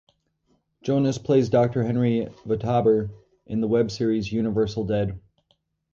Jones plays Doctor Henry Vataber in the web series "Universal Dead".